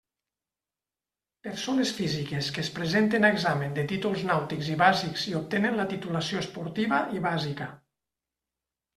Persones físiques que es presenten a examen de títols nàutics i bàsics i obtenen la titulació esportiva i bàsica.